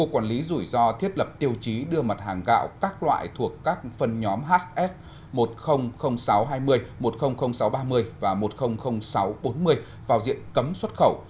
quản lý rủi ro thiết lập tiêu chí đưa mặt hàng gạo các loại thuộc các phân nhóm hs một trăm linh nghìn sáu trăm hai mươi một trăm linh nghìn sáu trăm ba mươi và một trăm linh nghìn sáu trăm bốn mươi vào diện cấm xuất khẩu